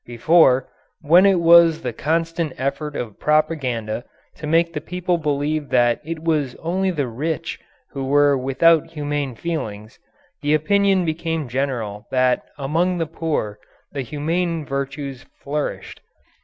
Before, when it was the constant effort of propaganda to make the people believe that it was only the "rich" who were without humane feelings, the opinion became general that among the "poor" the humane virtues flourished.